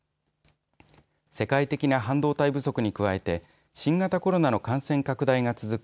世界的な半導体不足に加えて新型コロナの感染拡大が続く